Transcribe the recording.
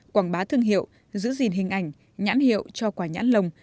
quảng bá thương hiệu giữ gìn hình ảnh nhãn hiệu cho quả nhãn lồng